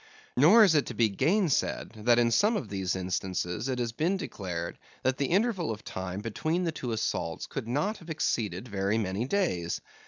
Nor is it to be gainsaid, that in some of these instances it has been declared that the interval of time between the two assaults could not have exceeded very many days.